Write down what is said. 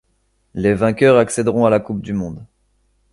Les vainqueurs accèderont à la coupe du monde.